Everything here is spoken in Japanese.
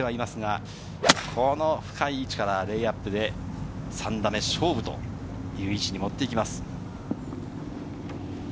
深い位置からレイアップで３打目勝負という位置に持っていきます。